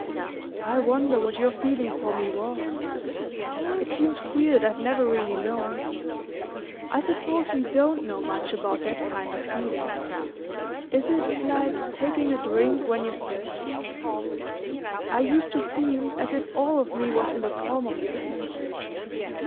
"I wonder what your feeling for me was? It seems queer that I've never really known I suppose we DON'T know much about that kind of feeling. Is it like taking a drink when you're thirsty?... I used to feel as if all of me was in the palm of your hand..."